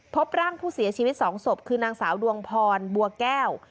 พบร่างผู้เสียชีวิต๒ศพคือนางสาวดวงพรบัวแก้ว